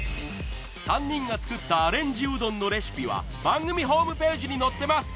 ３人が作ったアレンジうどんのレシピは番組ホームページに載ってます